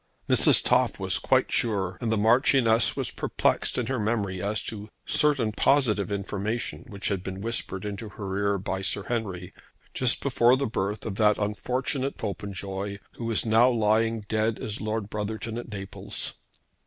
Mrs. Toff was quite sure, and the Marchioness was perplexed in her memory as to certain positive information which had been whispered into her ear by Sir Henry just before the birth of that unfortunate Popenjoy, who was now lying dead as Lord Brotherton at Naples.